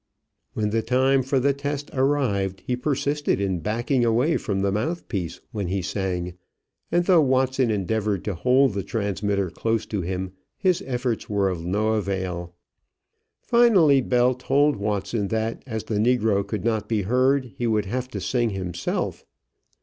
When the time for the test arrived he persisted in backing away from the mouthpiece when he sang, and, though Watson endeavored to hold the transmitter closer to him, his efforts were of no avail. Finally Bell told Watson that as the negro could not be heard he would have to sing himself.